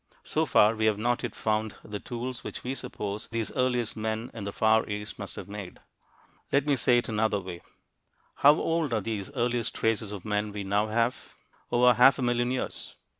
So far, we have not yet found the tools which we suppose these earliest men in the Far East must have made. Let me say it another way. How old are the earliest traces of men we now have? Over half a million years.